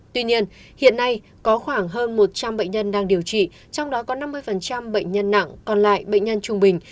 tuy nhiên hiện nay có khoảng hơn một trăm linh bệnh nhân đang điều trị trong đó có năm mươi bệnh nhân nặng còn lại bệnh nhân trung bình